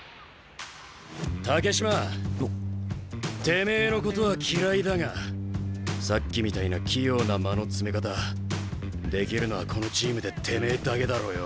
てめえのことは嫌いだがさっきみたいな器用な間の詰め方できるのはこのチームでてめえだけだろうよ。